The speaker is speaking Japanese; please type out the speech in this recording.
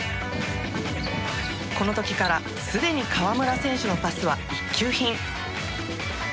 この時からすでに河村選手のパスは一級品。